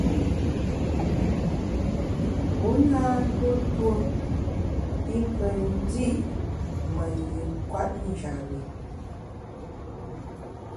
Wu na ntuo tuo i pe ndi’ me yin kwet njap bi.